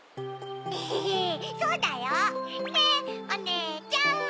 エヘヘそうだよねっおねえちゃん！